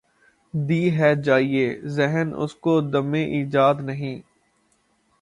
دی ہے جایے دہن اس کو دمِ ایجاد ’’ نہیں ‘‘